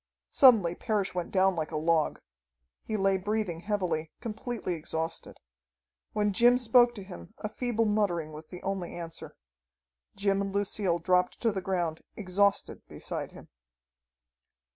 Suddenly Parrish went down like a log. He lay breathing heavily, completely exhausted. When Jim spoke to him a feeble muttering was the only answer. Jim and Lucille dropped to the ground exhausted beside him.